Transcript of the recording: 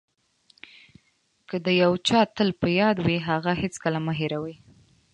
که د یو چا تل په یاد وئ هغه هېڅکله مه هیروئ.